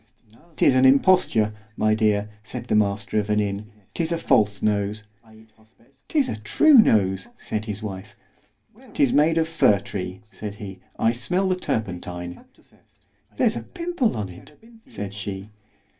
'Tis an imposture, my dear, said the master of the inn——'tis a false nose. 'Tis a true nose, said his wife. 'Tis made of fir tree, said he, I smell the turpentine.—— There's a pimple on it, said she.